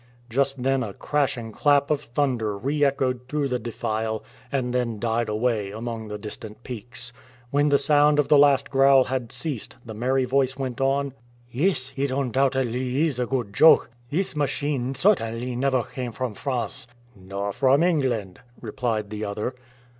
Just then a crashing clap of thunder re echoed through the defile, and then died away among the distant peaks. When the sound of the last growl had ceased, the merry voice went on: "Yes, it undoubtedly is a good joke. This machine certainly never came from France." "Nor from England," replied the other.